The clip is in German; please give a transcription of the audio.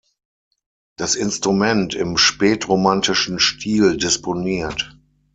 Das Instrument im spätromantischen Stil disponiert.